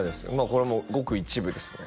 これもごく一部ですね